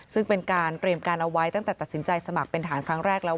ซึ่งเป็นการเตรียมการเอาไว้ตั้งแต่ตัดสินใจสมัครเป็นฐานครั้งแรกแล้ว